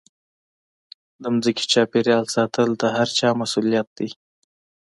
د ځمکې چاپېریال ساتل د هرچا مسوولیت دی.